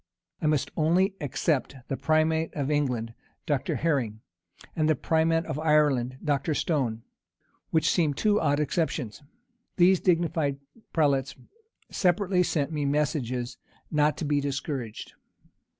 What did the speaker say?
I must only except the primate of England, Dr. Herring, and the primate of Ireland, Dr. Stone, which seem two odd exceptions. These dignified prelates separately sent me messages not to be discouraged.